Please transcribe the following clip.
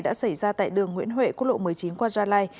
đã xảy ra tại đường nguyễn huệ quốc lộ một mươi chín qua gia lai